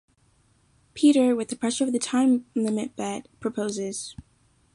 Peter, with the pressure of the time-limit bet, proposes.